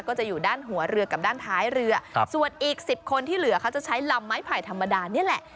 ก็จะอยู่ด้านหัวเรือกับด้านท้ายเรือส่วนอีกสิบคนที่เหลือเขาจะใช้ลำไม้ไผ่ธรรมดานี่แหละ